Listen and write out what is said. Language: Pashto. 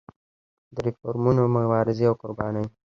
د ریفورمونو مبارزې او قربانۍ.